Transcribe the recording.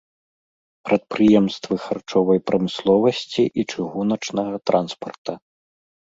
Прадпрыемствы харчовай прамысловасці і чыгуначнага транспарта.